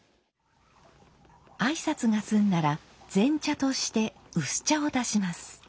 挨拶が済んだら「前茶」として薄茶を出します。